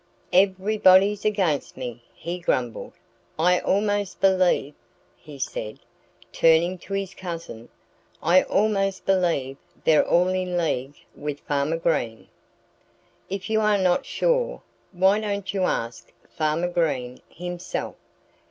"Everybody's against me," he grumbled. "I almost believe " he said, turning to his cousin "I almost believe they're all in league with Farmer Green." "If you are not sure, why don't you ask Farmer Green himself?"